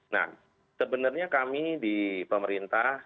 nah sebenarnya kami di pemerintah